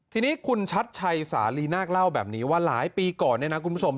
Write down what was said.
ทีนี้คุณชัดชัยสาลีนาคเล่าแบบนี้ว่าหลายปีก่อนเนี่ยนะคุณผู้ชม